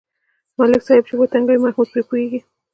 ملک صاحب یې چې و ټنگوي محمود پرې پوهېږي.